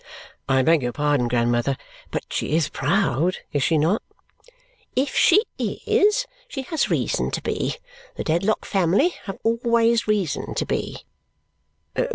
"I beg your pardon, grandmother. But she is proud, is she not?" "If she is, she has reason to be. The Dedlock family have always reason to be."